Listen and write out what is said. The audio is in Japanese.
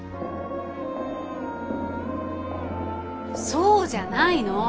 そうじゃないの。